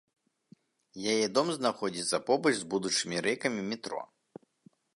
Яе дом знаходзіцца побач з будучымі рэйкамі метро.